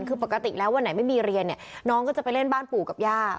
คือปกติแล้ววันไหนไม่มีเรียนเนี่ยน้องก็จะไปเล่นบ้านปู่กับย่า